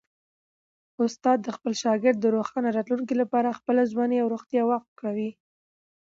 استاد د خپل شاګرد د روښانه راتلونکي لپاره خپله ځواني او روغتیا وقف کوي.